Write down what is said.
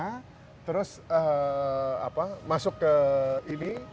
belakang sana terus masuk ke ini